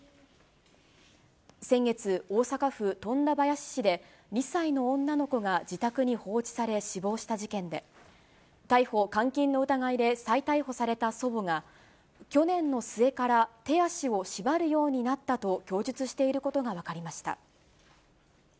先月、大阪府富田林市で、２歳の女の子が自宅に放置され死亡した事件で、逮捕・監禁の疑いで再逮捕された祖母が、去年の末から手足を縛るようになったと供述していることが分かりました。